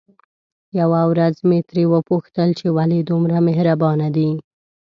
يوه ورځ مې ترې وپوښتل چې ولې دومره مهربانه دي؟